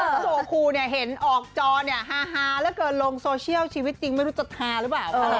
พระโจ๊กโสคูเห็นออกจอฮาแล้วเกิดลงโซเชียลชีวิตจริงไม่รู้จะทาหรือเปล่า